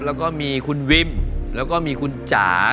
แล้วก็มีคุณวิมแล้วก็มีคุณจ๋า